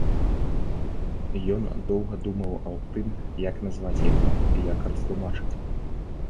Ён доўга думаў аб тым, як назваць яго, як растлумачыць.